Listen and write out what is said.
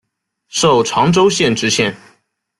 授长洲县知县。